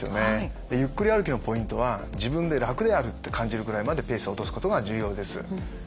ゆっくり歩きのポイントは自分で楽であると感じるぐらいまでペースを落とすことが重要です。